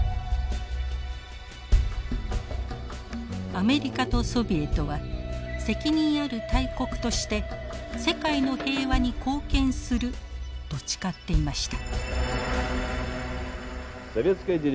アメリカとソビエトは責任ある大国として世界の平和に貢献すると誓っていました。